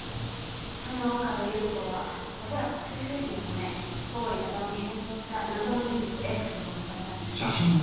その岡部祐子は恐らく口封じのため小堀忠夫に変装した謎の人物Ｘに殺されたんでしょうね。